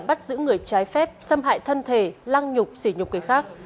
bắt giữ người trái phép xâm hại thân thể lang nhục xỉ nhục người khác